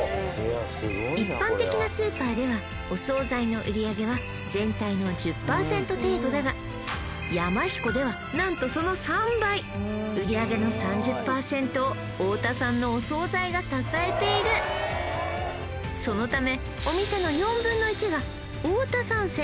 一般的なスーパーではお惣菜の売上は全体の１０％程度だがやまひこでは何とその３倍売上の３０％を太田さんのお惣菜が支えているそのためお店の４分の１が太田さん